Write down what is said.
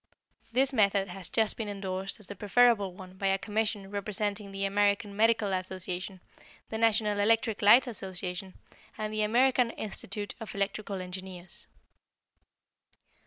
This method has just been endorsed as the preferable one by a commission representing the American Medical Association, the National Electric Light Association, and the American Institute of Electrical Engineers.